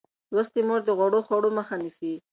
لوستې مور د غوړو خوړو مخه نیسي.